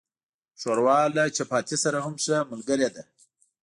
ښوروا له چپاتي سره هم ښه ملګری ده.